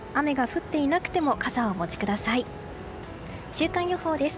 週間予報です。